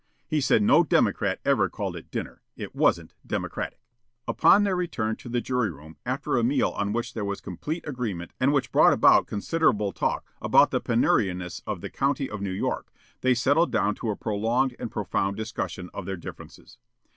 He said no democrat ever called it dinner. It wasn't democratic. Upon their return to the jury room after a meal on which there was complete agreement and which brought out considerable talk about the penuriousness of the County of New York, they settled down to a prolonged and profound discussion of their differences.